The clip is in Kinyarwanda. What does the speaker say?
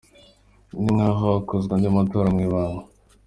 Ni nkaho hakozwe andi matora mu ibanga.